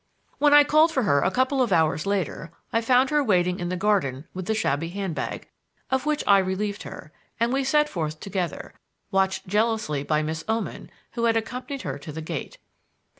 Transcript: When I called for her a couple of hours later I found her waiting in the garden with the shabby handbag, of which I relieved her, and we set forth together, watched jealously by Miss Oman, who had accompanied her to the gate.